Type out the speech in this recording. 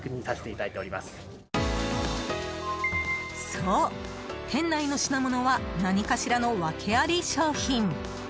そう、店内の品物は何かしらの訳あり商品。